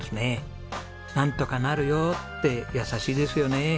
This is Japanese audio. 「なんとかなるよ」って優しいですよね。